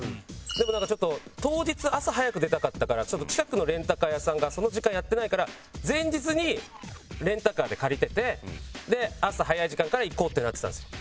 でもなんかちょっと当日朝早く出たかったから近くのレンタカー屋さんがその時間やってないから前日にレンタカーで借りてて朝早い時間から行こうってなってたんですよ。